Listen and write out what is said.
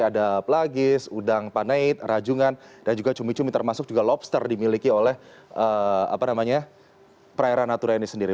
ada pelagis udang paneit rajungan dan juga cumi cumi termasuk juga lobster dimiliki oleh perairan natura ini sendiri